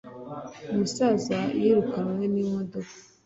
umusaza yirukanwe n'imodoka